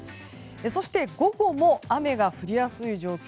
そして午後も雨が降りやすい状況